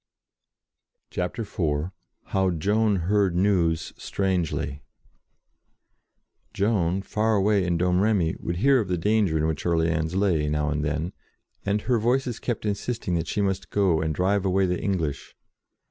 CHAPTER IV HOW JOAN HEARD NEWS STRANGELY JOAN, far away in Domremy, would hear of the danger in which Orleans lay, now and then, and her Voices kept insist ing that she must go and drive away the English.